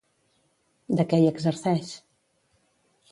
De què hi exerceix?